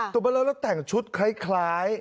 ตุบัดโล่แล้วแต่งชุดคล้าย